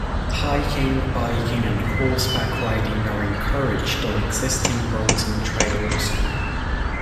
Hiking, biking and horseback riding are encouraged on existing roads and trails.